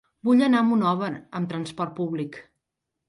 Vull anar a Monòver amb transport públic.